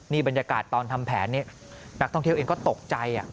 นี่บรรยากาศตอนทำแผนนักท่องเที่ยวเองก็ตกใจ